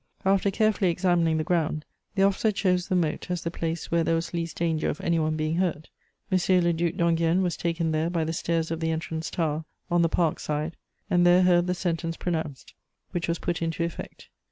"After carefully examining the ground, the officer chose the moat as the place where there was least danger of any one being hurt. M. le Duc d'Enghien was taken there by the stairs of the entrance tower, on the park side, and there heard the sentence pronounced, which was put into effect."